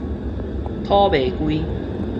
土糜龜